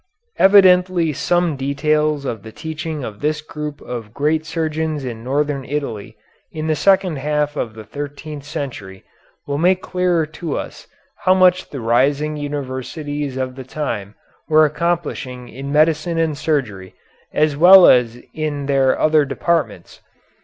Evidently some details of the teaching of this group of great surgeons in northern Italy in the second half of the thirteenth century will make clearer to us how much the rising universities of the time were accomplishing in medicine and surgery as well as in their other departments.